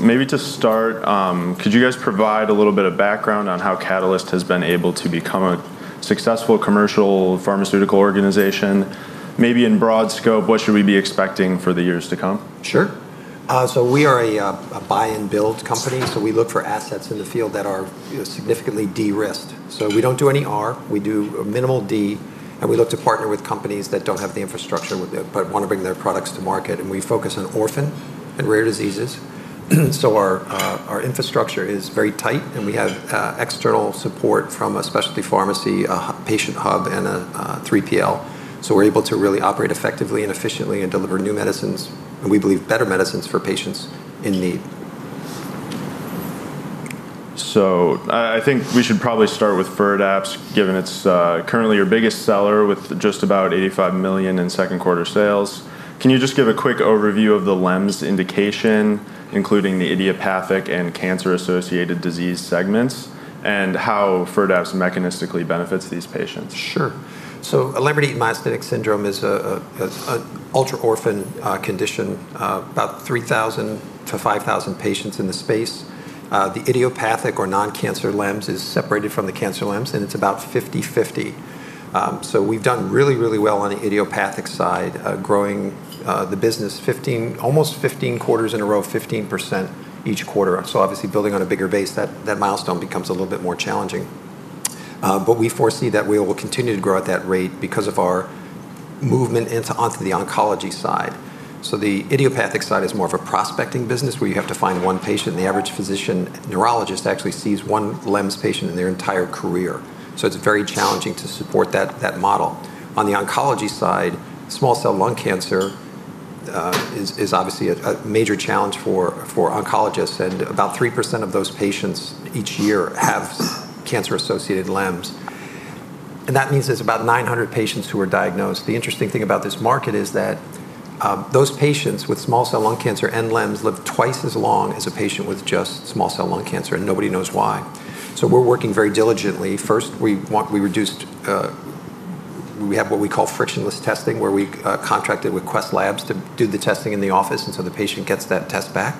Maybe to start, could you guys provide a little bit of background on how Catalyst Pharmaceuticals has been able to become a successful commercial pharmaceutical organization? Maybe in broad scope, what should we be expecting for the years to come? Sure. We are a buy-and-build company, so we look for assets in the field that are significantly de-risked. We don't do any R, we do minimal D, and we look to partner with companies that don't have the infrastructure but want to bring their products to market. We focus on orphan and rare diseases. Our infrastructure is very tight, and we have external support from a specialty pharmacy, a patient hub, and a 3PL. We're able to really operate effectively and efficiently and deliver new medicines, and we believe better medicines for patients in need. I think we should probably start with FIRDAPSE, given it's currently your biggest seller with just about $85 million in second-quarter sales. Can you just give a quick overview of the LEMS indication, including the idiopathic and cancer-associated disease segments, and how FIRDAPSE mechanistically benefits these patients? Sure. So a Lambert-Eaton Myasthenic Syndrome is an ultra-orphan condition, about 3,000 to 5,000 patients in the space. The idiopathic or non-cancer LEMS is separated from the cancer LEMS, and it's about 50/50. We've done really, really well on the idiopathic side, growing the business almost 15 quarters in a row, 15% each quarter. Obviously, building on a bigger base, that milestone becomes a little bit more challenging. We foresee that we will continue to grow at that rate because of our movement onto the oncology side. The idiopathic side is more of a prospecting business where you have to find one patient. The average physician neurologist actually sees one LEMS patient in their entire career. It's very challenging to support that model. On the oncology side, small cell lung cancer is a major challenge for oncologists, and about 3% of those patients each year have cancer-associated LEMS. That means there's about 900 patients who are diagnosed. The interesting thing about this market is that those patients with small cell lung cancer and LEMS live twice as long as a patient with just small cell lung cancer, and nobody knows why. We're working very diligently. First, we have what we call frictionless testing, where we contracted with Quest Diagnostics to do the testing in the office, and the patient gets that test back.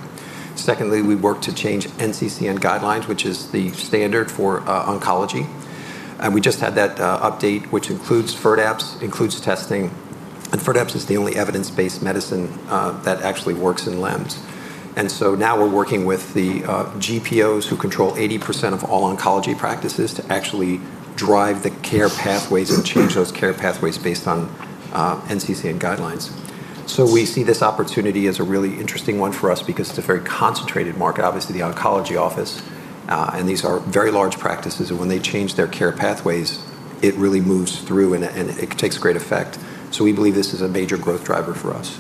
Secondly, we work to change NCCN guidelines, which is the standard for oncology, and we just had that update, which includes FIRDAPSE, includes testing. FIRDAPSE is the only evidence-based medicine that actually works in LEMS. Now we're working with the GPOs, who control 80% of all oncology practices, to actually drive the care pathways and change those care pathways based on NCCN guidelines. We see this opportunity as a really interesting one for us because it's a very concentrated market, obviously, the oncology office. These are very large practices, and when they change their care pathways, it really moves through, and it takes great effect. We believe this is a major growth driver for us.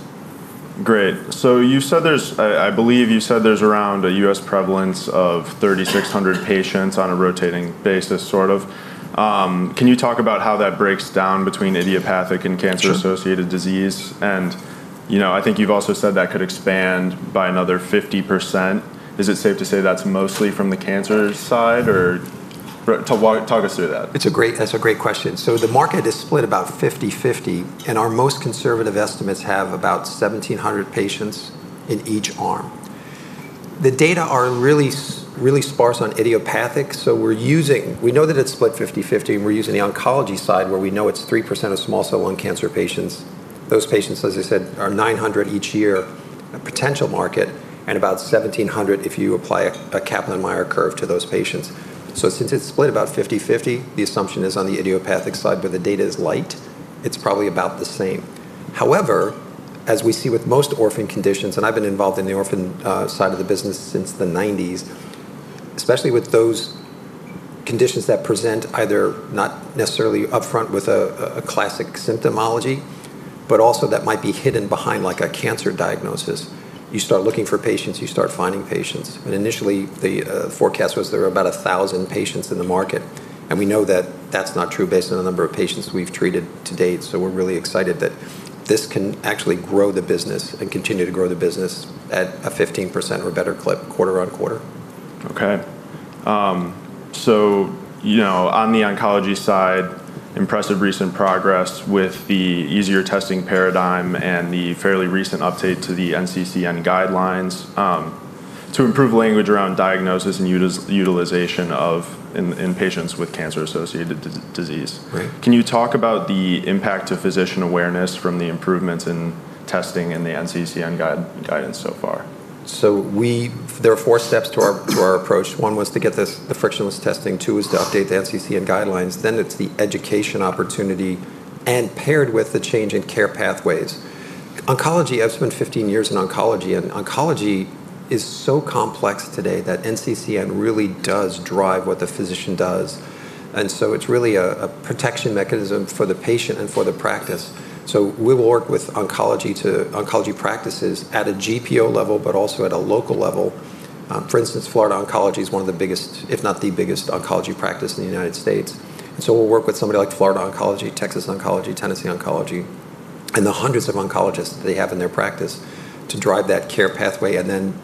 Great. You said there's, I believe you said there's around a U.S. prevalence of 3,600 patients on a rotating basis, sort of. Can you talk about how that breaks down between idiopathic and cancer-associated disease? I think you've also said that could expand by another 50%. Is it safe to say that's mostly from the cancer side, or talk us through that. That's a great question. The market is split about 50/50, and our most conservative estimates have about 1,700 patients in each arm. The data are really, really sparse on idiopathic. We know that it's split 50/50, and we're using the oncology side, where we know it's 3% of small cell lung cancer patients. Those patients, as I said, are 900 each year as a potential market and about 1,700 if you apply a Kaplan Meier curve to those patients. Since it's split about 50/50, the assumption is on the idiopathic side, where the data is light, it's probably about the same. However, as we see with most orphan conditions, and I've been involved in the orphan side of the business since the 1990s, especially with those conditions that present either not necessarily upfront with a classic symptomology, but also that might be hidden behind a cancer diagnosis, you start looking for patients, you start finding patients. Initially, the forecast was there were about 1,000 patients in the market. We know that that's not true based on the number of patients we've treated to date. We're really excited that this can actually grow the business and continue to grow the business at a 15% better clip quarter on quarter. On the oncology side, impressive recent progress with the easier testing paradigm and the fairly recent update to the NCCN guidelines to improve language around diagnosis and utilization in patients with cancer-associated disease. Can you talk about the impact to physician awareness from the improvements in testing and the NCCN guidance so far? There are four steps to our approach. One was to get the frictionless testing. Two was to update the NCCN guidelines. Then it's the education opportunity, paired with the change in care pathways. I've spent 15 years in oncology. Oncology is so complex today that NCCN really does drive what the physician does. It's really a protection mechanism for the patient and for the practice. We'll work with oncology practices at a GPO level, but also at a local level. For instance, Florida Oncology is one of the biggest, if not the biggest, oncology practice in the United States. We'll work with somebody like Florida Oncology, Texas Oncology, Tennessee Oncology, and the hundreds of oncologists that they have in their practice to drive that care pathway.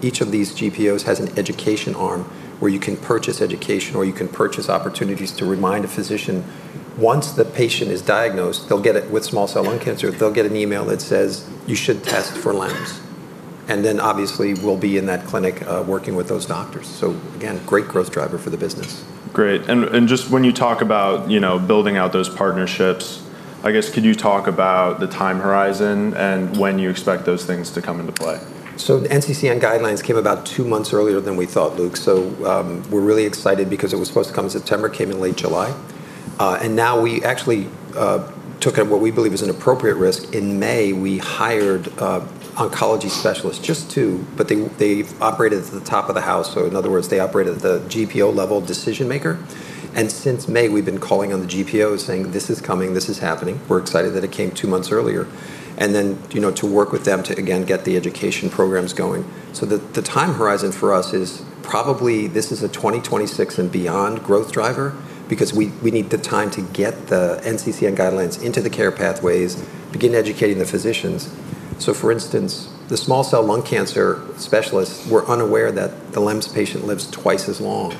Each of these GPOs has an education arm where you can purchase education, or you can purchase opportunities to remind a physician, once the patient is diagnosed, they'll get it with small cell lung cancer, they'll get an email that says, you should test for LEMS. Obviously, we'll be in that clinic working with those doctors. Again, great growth driver for the business. Great. When you talk about building out those partnerships, could you talk about the time horizon and when you expect those things to come into play? The NCCN guidelines came about two months earlier than we thought, Luke. We're really excited because it was supposed to come in September, came in late July. We actually took what we believe is an appropriate risk. In May, we hired oncology specialists, just two. They've operated at the top of the house. In other words, they operated at the GPO level decision maker. Since May, we've been calling on the GPOs, saying, this is coming, this is happening. We're excited that it came two months earlier. To work with them to, again, get the education programs going. The time horizon for us is probably this is a 2026 and beyond growth driver because we need the time to get the NCCN guidelines into the care pathways, begin educating the physicians. For instance, the small cell lung cancer specialists were unaware that the LEMS patient lives twice as long.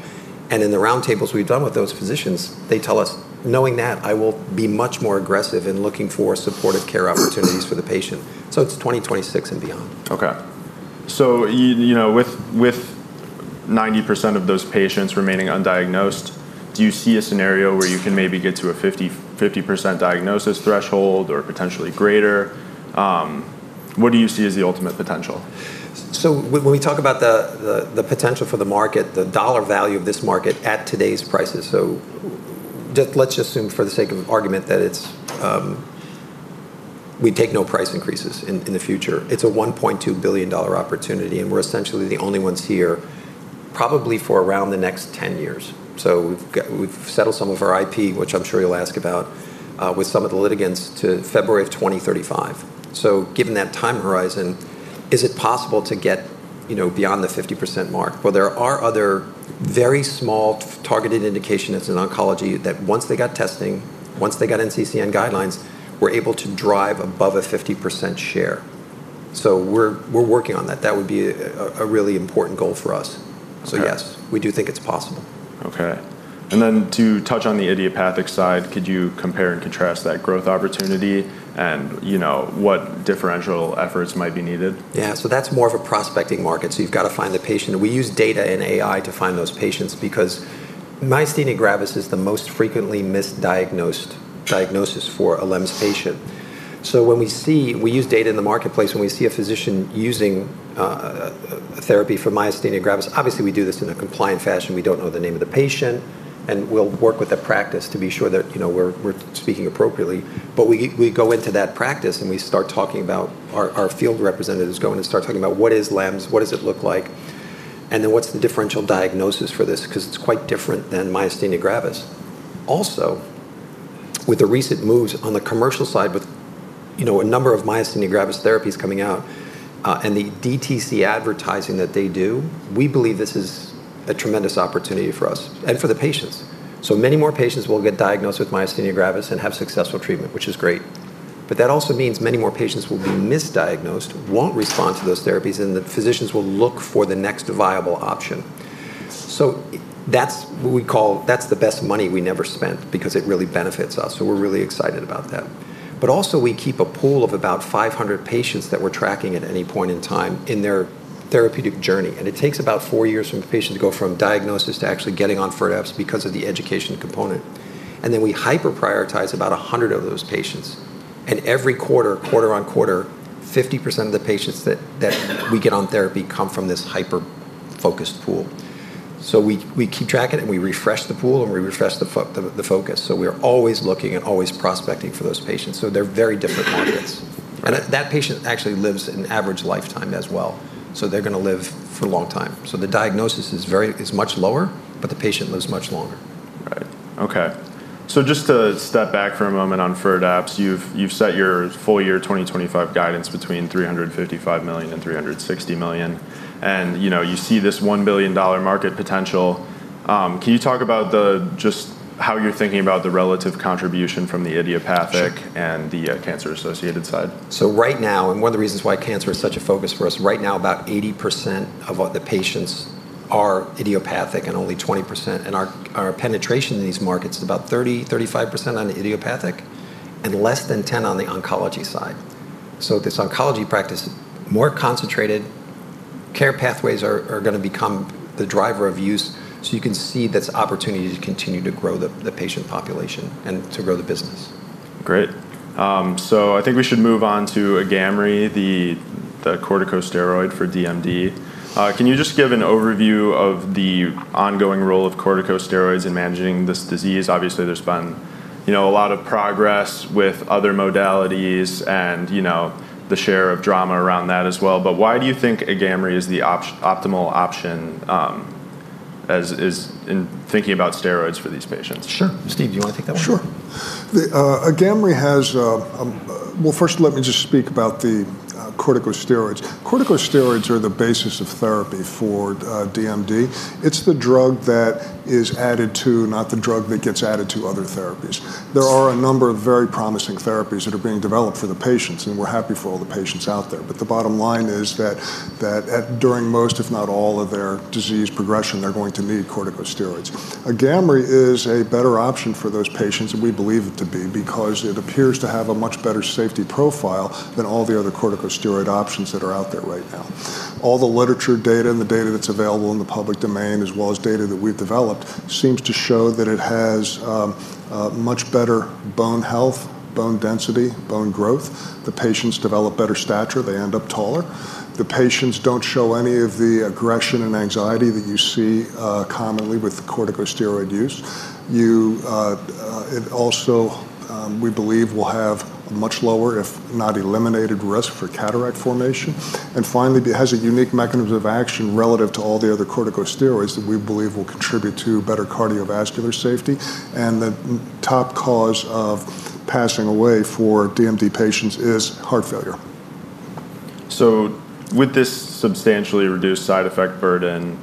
In the roundtables we've done with those physicians, they tell us, knowing that, I will be much more aggressive in looking for supportive care opportunities for the patient. It's 2026 and beyond. OK. With 90% of those patients remaining undiagnosed, do you see a scenario where you can maybe get to a 50% diagnosis threshold or potentially greater? What do you see as the ultimate potential? When we talk about the potential for the market, the dollar value of this market at today's prices, let's just assume for the sake of argument that we take no price increases in the future. It's a $1.2 billion opportunity. We're essentially the only ones here, probably for around the next 10 years. We've settled some of our IP, which I'm sure you'll ask about, with some of the litigants to February of 2035. Given that time horizon, is it possible to get beyond the 50% mark? There are other very small targeted indications in oncology that once they got testing, once they got NCCN guidelines, were able to drive above a 50% share. We're working on that. That would be a really important goal for us. Yes, we do think it's possible. OK. To touch on the idiopathic side, could you compare and contrast that growth opportunity and what differential efforts might be needed? Yeah, so that's more of a prospecting market. You've got to find the patient. We use data and AI to find those patients because myasthenia gravis is the most frequently misdiagnosed diagnosis for a LEMS patient. We use data in the marketplace. When we see a physician using therapy for myasthenia gravis, obviously, we do this in a compliant fashion. We don't know the name of the patient, and we work with the practice to be sure that we're speaking appropriately. We go into that practice, and our field representatives go in and start talking about what is LEMS, what does it look like, and then what's the differential diagnosis for this because it's quite different than myasthenia gravis. With the recent moves on the commercial side, with a number of myasthenia gravis therapies coming out and the DTC advertising that they do, we believe this is a tremendous opportunity for us and for the patients. Many more patients will get diagnosed with myasthenia gravis and have successful treatment, which is great. That also means many more patients will be misdiagnosed, won't respond to those therapies, and the physicians will look for the next viable option. That's what we call the best money we never spent because it really benefits us. We're really excited about that. We keep a pool of about 500 patients that we're tracking at any point in time in their therapeutic journey. It takes about four years for a patient to go from diagnosis to actually getting on FIRDAPSE because of the education component. We hyper-prioritize about 100 of those patients, and every quarter, quarter on quarter, 50% of the patients that we get on therapy come from this hyper-focused pool. We keep track of it, and we refresh the pool, and we refresh the focus. We are always looking and always prospecting for those patients. They're very different markets, and that patient actually lives an average lifetime as well. They're going to live for a long time. The diagnosis is much lower, but the patient lives much longer. Right. OK. Just to step back for a moment on FIRDAPSE, you've set your full-year 2025 guidance between $355 million and $360 million, and you see this $1 billion market potential. Can you talk about just how you're thinking about the relative contribution from the idiopathic and the cancer-associated side? Right now, and one of the reasons why cancer is such a focus for us, right now, about 80% of the patients are idiopathic and only 20%. Our penetration in these markets is about 30% to 35% on the idiopathic and less than 10% on the oncology side. This oncology practice, more concentrated care pathways are going to become the driver of use. You can see this opportunity to continue to grow the patient population and to grow the business. Great. I think we should move on to AGAMREE, the corticosteroid for Duchenne Muscular Dystrophy. Can you just give an overview of the ongoing role of corticosteroids in managing this disease? Obviously, there's been a lot of progress with other modalities and the share of drama around that as well. Why do you think AGAMREE is the optimal option in thinking about steroids for these patients? Sure. Steven, do you want to take that one? Sure. AGAMREE has, first, let me just speak about the corticosteroids. Corticosteroids are the basis of therapy for DMD. It's the drug that is added to, not the drug that gets added to other therapies. There are a number of very promising therapies that are being developed for the patients. We're happy for all the patients out there. The bottom line is that during most, if not all, of their disease progression, they're going to need corticosteroids. AGAMREE is a better option for those patients, and we believe it to be because it appears to have a much better safety profile than all the other corticosteroid options that are out there right now. All the literature data and the data that's available in the public domain, as well as data that we've developed, seems to show that it has much better bone health, bone density, bone growth. The patients develop better stature. They end up taller. The patients don't show any of the aggression and anxiety that you see commonly with corticosteroid use. It also, we believe, will have a much lower, if not eliminated, risk for cataract formation. Finally, it has a unique mechanism of action relative to all the other corticosteroids that we believe will contribute to better cardiovascular safety. The top cause of passing away for DMD patients is heart failure. With this substantially reduced side effect burden,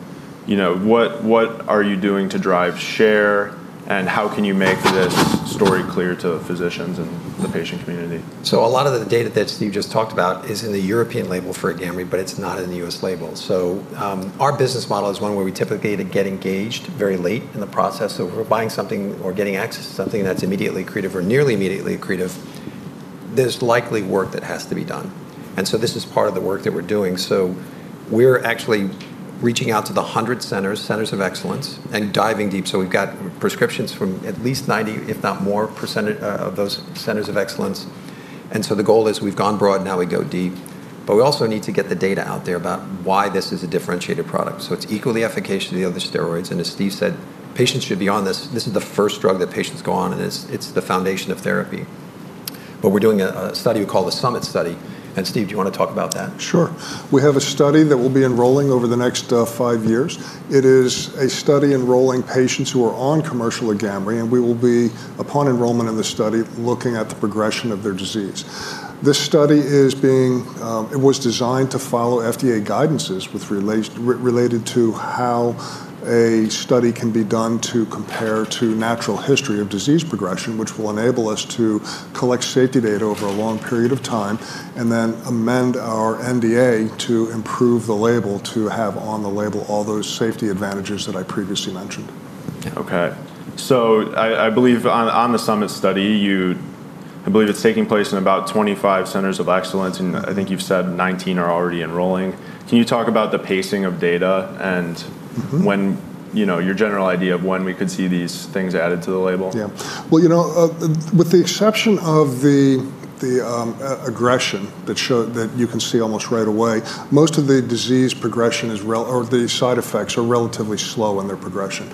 what are you doing to drive share? How can you make this story clear to physicians and the patient community? A lot of the data that Steve just talked about is in the European label for AGAMREE, but it's not in the U.S. label. Our business model is one where we typically get engaged very late in the process of buying something or getting access to something that's immediately accretive or nearly immediately accretive. There's likely work that has to be done, and this is part of the work that we're doing. We're actually reaching out to the 100 centers, centers of excellence, and diving deep. We've got prescriptions from at least 90, if not more, of those centers of excellence. The goal is we've gone broad, now we go deep. We also need to get the data out there about why this is a differentiated product. It's equally efficacious as the other steroids, and as Steve said, patients should be on this. This is the first drug that patients go on, and it's the foundation of therapy. We're doing a study we call the Summit Study. Steve, do you want to talk about that? Sure. We have a study that will be enrolling over the next five years. It is a study enrolling patients who are on commercial AGAMREE. We will be, upon enrollment in the study, looking at the progression of their disease. This study was designed to follow FDA guidances related to how a study can be done to compare to natural history of disease progression, which will enable us to collect safety data over a long period of time and then amend our NDA to improve the label to have on the label all those safety advantages that I previously mentioned. OK. I believe on the Summit Study, I believe it's taking place in about 25 centers of excellence. I think you've said 19 are already enrolling. Can you talk about the pacing of data and your general idea of when we could see these things added to the label? Yeah. You know, with the exception of the aggression that you can see almost right away, most of the disease progression or the side effects are relatively slow in their progression.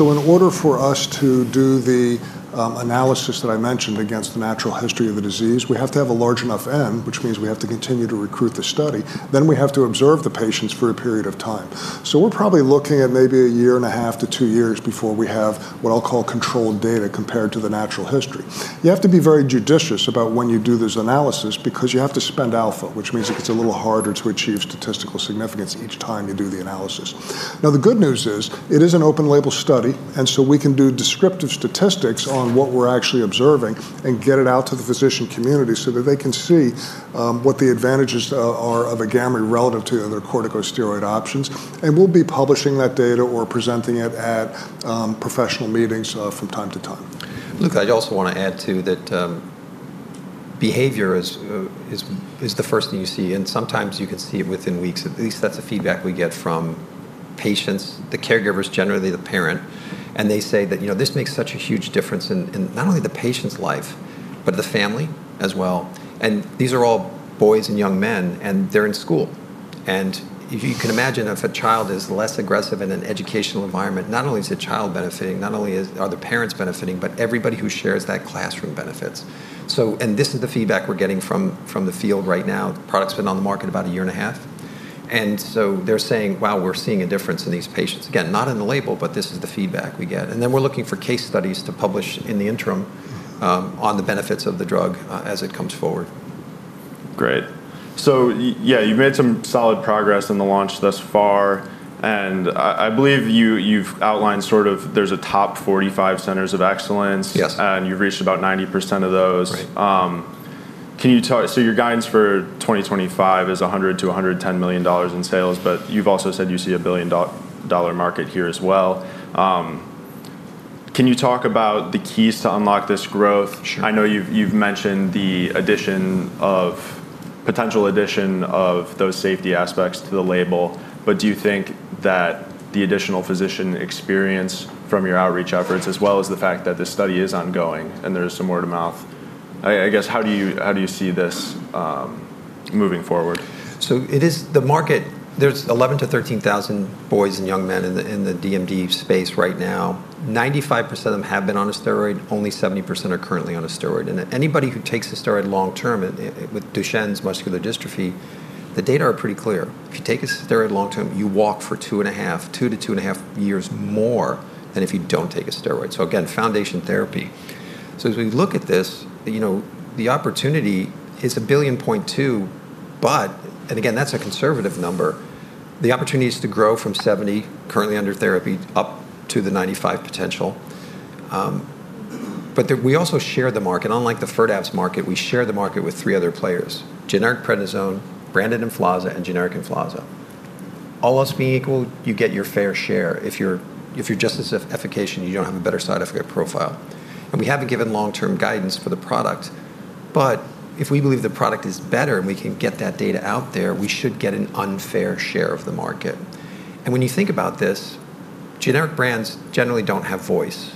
In order for us to do the analysis that I mentioned against the natural history of the disease, we have to have a large enough N, which means we have to continue to recruit the study. We have to observe the patients for a period of time. We're probably looking at maybe a year and a half to two years before we have what I'll call controlled data compared to the natural history. You have to be very judicious about when you do this analysis because you have to spend alpha, which means it gets a little harder to achieve statistical significance each time you do the analysis. The good news is it is an open-label study, so we can do descriptive statistics on what we're actually observing and get it out to the physician community so that they can see what the advantages are of AGAMREE relative to other corticosteroid options. We'll be publishing that data or presenting it at professional meetings from time to time. Luke, I also want to add too that behavior is the first thing you see, and sometimes you can see it within weeks. At least that's the feedback we get from patients, the caregivers, generally the parent. They say that this makes such a huge difference in not only the patient's life, but the family as well. These are all boys and young men, and they're in school. If you can imagine, if a child is less aggressive in an educational environment, not only is the child benefiting, not only are the parents benefiting, but everybody who shares that classroom benefits. This is the feedback we're getting from the field right now. The product's been on the market about a year and a half, and they're saying, wow, we're seeing a difference in these patients. Again, not in the label, but this is the feedback we get. We're looking for case studies to publish in the interim on the benefits of the drug as it comes forward. Great. You've made some solid progress in the launch thus far. I believe you've outlined sort of there's a top 45 centers of excellence. Yes. You've reached about 90% of those. Your guidance for 2025 is $100 to $110 million in sales. You've also said you see a billion-dollar market here as well. Can you talk about the keys to unlock this growth? Sure. I know you've mentioned the potential addition of those safety aspects to the label. Do you think that the additional physician experience from your outreach efforts, as well as the fact that the study is ongoing and there is some word of mouth, how do you see this moving forward? The market, there's 11,000 to 13,000 boys and young men in the Duchenne Muscular Dystrophy (DMD) space right now. 95% of them have been on a steroid. Only 70% are currently on a steroid. Anybody who takes a steroid long term with Duchenne Muscular Dystrophy, the data are pretty clear. If you take a steroid long term, you walk for 2.5, 2 to 2.5 years more than if you don't take a steroid. Foundation therapy. As we look at this, the opportunity is $1.2 billion, and that's a conservative number. The opportunity is to grow from 70% currently under therapy up to the 95% potential. We also share the market. Unlike the FIRDAPSE market, we share the market with three other players: generic prednisone, branded deflazacort, and generic deflazacort. All else being equal, you get your fair share. If you're just as efficacious, you don't have a better side effect profile. We haven't given long-term guidance for the product. If we believe the product is better and we can get that data out there, we should get an unfair share of the market. When you think about this, generic brands generally don't have voice.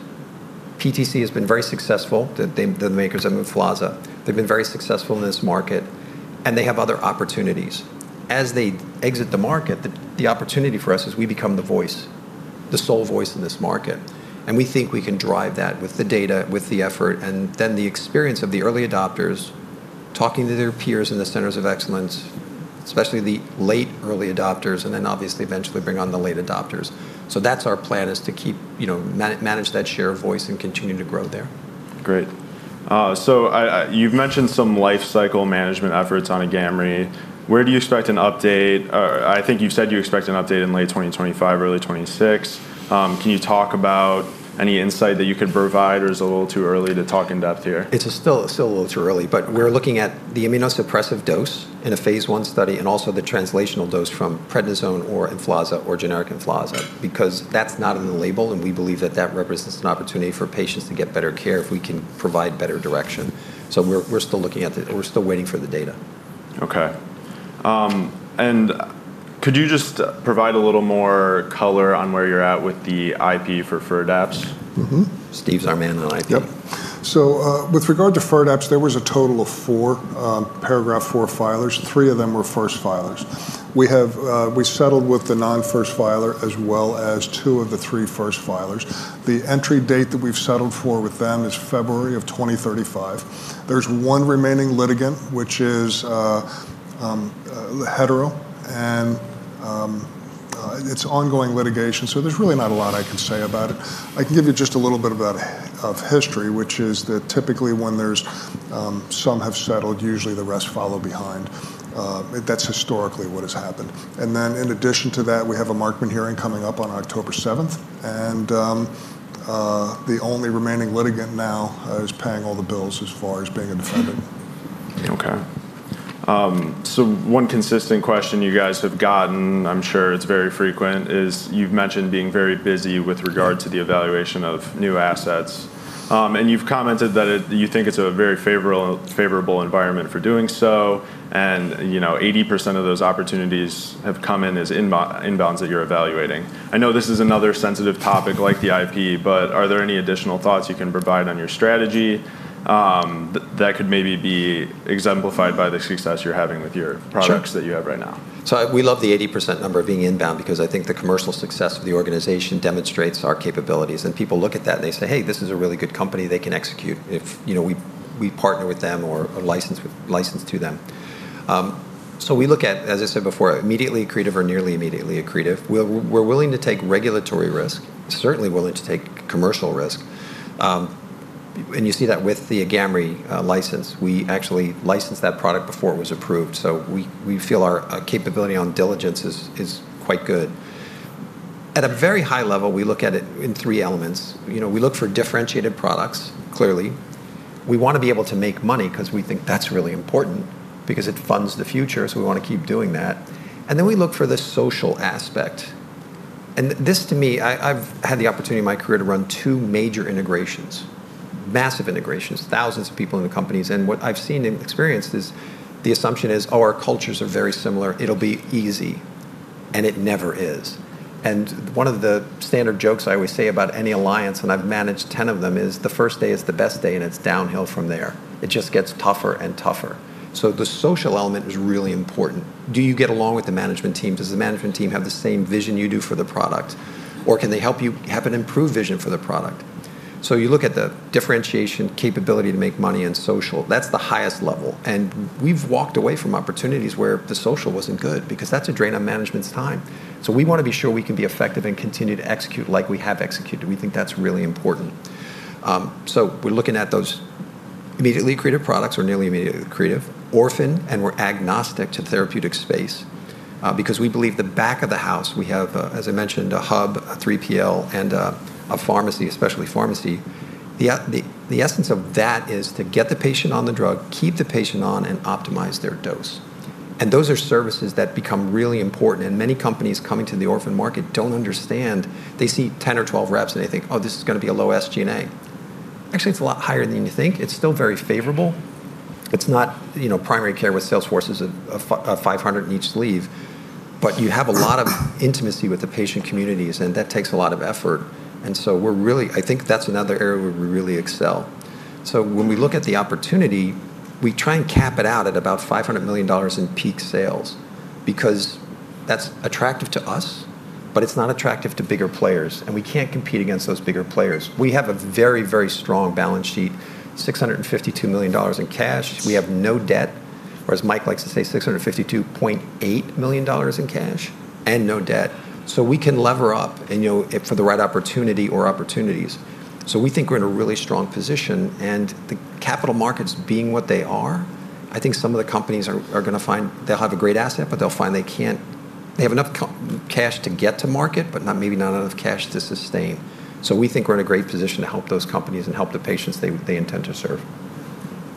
PTC has been very successful, the makers of deflazacort. They've been very successful in this market, and they have other opportunities. As they exit the market, the opportunity for us is we become the voice, the sole voice in this market. We think we can drive that with the data, with the effort, and then the experience of the early adopters talking to their peers in the centers of excellence, especially the late early adopters, and eventually bring on the late adopters. Our plan is to keep managing that share of voice and continue to grow there. Great. You've mentioned some lifecycle management efforts on AGAMREE. Where do you expect an update? I think you've said you expect an update in late 2025, early 2026. Can you talk about any insight that you could provide, or is it a little too early to talk in depth here? It's still a little too early. We're looking at the immunosuppressive dose in a phase one study and also the translational dose from prednisone or generic prednisone because that's not in the label. We believe that represents an opportunity for patients to get better care if we can provide better direction. We're still looking at it. We're still waiting for the data. OK. Could you just provide a little more color on where you're at with the IP for FIRDAPSE? Steve's our man on IP. Yep. With regard to FYCOMPA, there was a total of four Paragraph IV filers. Three of them were first filers. We settled with the non-first filer, as well as two of the three first filers. The entry date that we've settled for with them is February of 2035. There's one remaining litigant, which is the Hetero. It's ongoing litigation. There's really not a lot I can say about it. I can give you just a little bit of history, which is that typically when some have settled, usually the rest follow behind. That's historically what has happened. In addition to that, we have a Markman hearing coming up on October 7. The only remaining litigant now is paying all the bills as far as being an offender. OK. One consistent question you guys have gotten, I'm sure it's very frequent, is you've mentioned being very busy with regard to the evaluation of new assets. You've commented that you think it's a very favorable environment for doing so. 80% of those opportunities have come in as inbounds that you're evaluating. I know this is another sensitive topic like the IP. Are there any additional thoughts you can provide on your strategy that could maybe be exemplified by the success you're having with your products that you have right now? We love the 80% number of being inbound because I think the commercial success of the organization demonstrates our capabilities. People look at that and they say, hey, this is a really good company. They can execute if we partner with them or license to them. We look at, as I said before, immediately accretive or nearly immediately accretive. We're willing to take regulatory risk, certainly willing to take commercial risk. You see that with the AGAMREE license. We actually licensed that product before it was approved. We feel our capability on diligence is quite good. At a very high level, we look at it in three elements. We look for differentiated products, clearly. We want to be able to make money because we think that's really important because it funds the future. We want to keep doing that. We look for the social aspect. This, to me, I've had the opportunity in my career to run two major integrations, massive integrations, thousands of people in the companies. What I've seen and experienced is the assumption is, oh, our cultures are very similar. It'll be easy. It never is. One of the standard jokes I always say about any alliance, and I've managed 10 of them, is the first day is the best day, and it's downhill from there. It just gets tougher and tougher. The social element is really important. Do you get along with the management team? Does the management team have the same vision you do for the product? Or can they help you have an improved vision for the product? You look at the differentiation, capability to make money, and social. That's the highest level. We've walked away from opportunities where the social wasn't good because that's a drain on management's time. We want to be sure we can be effective and continue to execute like we have executed. We think that's really important. We're looking at those immediately accretive products or nearly immediately accretive, orphan, and we're agnostic to the therapeutic space because we believe the back of the house, we have, as I mentioned, a hub, a 3PL, and a pharmacy, specialty pharmacy. The essence of that is to get the patient on the drug, keep the patient on, and optimize their dose. Those are services that become really important. Many companies coming to the orphan market don't understand. They see 10 or 12 reps, and they think, oh, this is going to be a low SG&A. Actually, it's a lot higher than you think. It's still very favorable. It's not primary care with sales forces of 500 in each leave. You have a lot of intimacy with the patient communities. That takes a lot of effort. I think that's another area where we really excel. When we look at the opportunity, we try and cap it out at about $500 million in peak sales because that's attractive to us, but it's not attractive to bigger players. We can't compete against those bigger players. We have a very, very strong balance sheet, $652 million in cash. We have no debt, or as Mike likes to say, $652.8 million in cash and no debt. We can lever up for the right opportunity or opportunities. We think we're in a really strong position. The capital markets, being what they are, I think some of the companies are going to find they'll have a great asset, but they'll find they can't have enough cash to get to market, but maybe not enough cash to sustain. We think we're in a great position to help those companies and help the patients they intend to serve.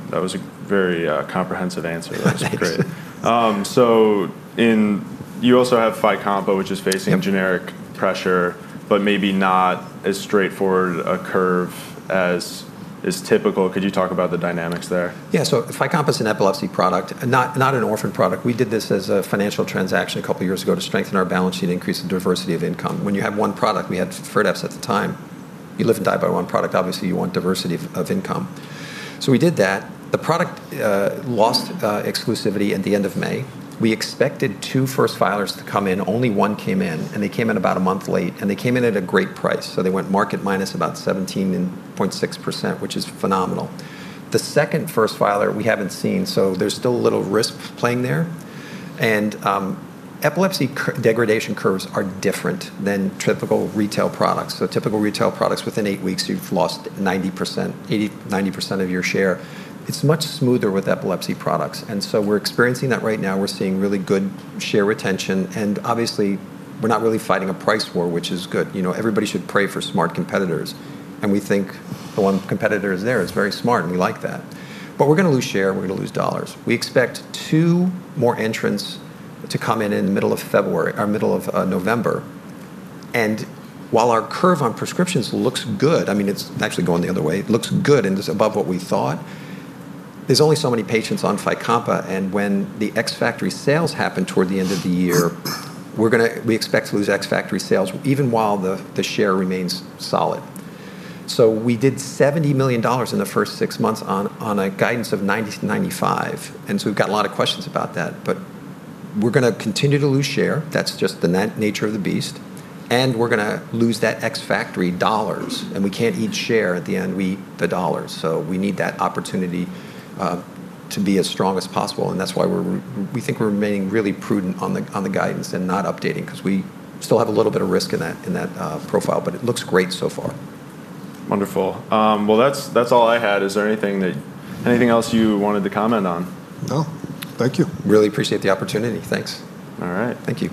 That was a very comprehensive answer. That was great. You also have FYCOMPA, which is facing generic pressure, but maybe not as straightforward a curve as is typical. Could you talk about the dynamics there? Yeah. FYCOMPA is an epilepsy product, not an orphan product. We did this as a financial transaction a couple of years ago to strengthen our balance sheet, increase the diversity of income. When you have one product, we had FIRDAPSE at the time. You live and die by one product. Obviously, you want diversity of income. We did that. The product lost exclusivity at the end of May. We expected two first filers to come in. Only one came in, and they came in about a month late. They came in at a great price. They went market minus about 17.6%, which is phenomenal. The second first filer, we haven't seen. There's still a little risk playing there. Epilepsy degradation curves are different than typical retail products. Typical retail products, within eight weeks, you've lost 90% of your share. It's much smoother with epilepsy products. We're experiencing that right now. We're seeing really good share retention. We're not really fighting a price war, which is good. Everybody should pray for smart competitors. We think the one competitor is there. It's very smart, and we like that. We're going to lose share. We're going to lose dollars. We expect two more entrants to come in in the middle of February or middle of November. While our curve on prescriptions looks good, it's actually going the other way. It looks good and is above what we thought. There's only so many patients on FYCOMPA, and when the ex-factory sales happen toward the end of the year, we expect to lose ex-factory sales even while the share remains solid. We did $70 million in the first six months on a guidance of 90% to 95%. We've got a lot of questions about that. We're going to continue to lose share. That's just the nature of the beast. We're going to lose that ex-factory dollars, and we can't eat share at the end. We eat the dollars. We need that opportunity to be as strong as possible. That's why we think we're remaining really prudent on the guidance and not updating because we still have a little bit of risk in that profile. It looks great so far. Wonderful. That's all I had. Is there anything else you wanted to comment on? No, thank you. Really appreciate the opportunity. Thanks. All right. Thank you.